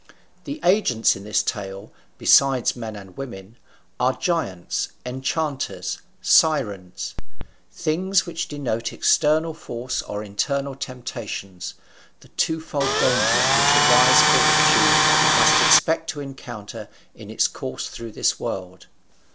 The agents in this tale, besides men and women, are giants, enchanters, sirens: things which denote external force or internal temptations, the twofold danger which a wise fortitude must expect to encounter in its course through this world.